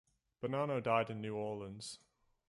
Bonano died in New Orleans.